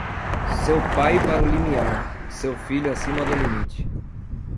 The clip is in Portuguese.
Seu pai para o limiar, seu filho acima do limite.